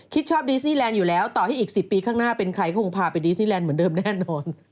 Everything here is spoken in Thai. ชอบดีสนีแลนด์อยู่แล้วต่อให้อีก๑๐ปีข้างหน้าเป็นใครก็คงพาไปดีซี่แลนด์เหมือนเดิมแน่นอน